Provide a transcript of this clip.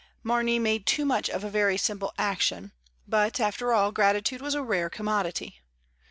Maraey made too much of a very simple action, but, after all, gratitude was a rare commodity.